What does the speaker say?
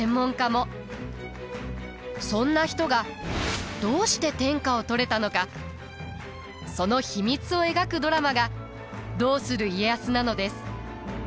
そんな人がどうして天下を取れたのかその秘密を描くドラマが「どうする家康」なのです。